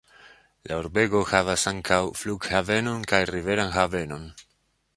La urbego havas ankaŭ flughavenon kaj riveran havenon.